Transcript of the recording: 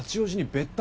別宅？